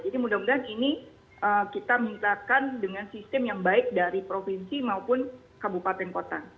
jadi mudah mudahan ini kita minta kan dengan sistem yang baik dari provinsi maupun kabupaten kota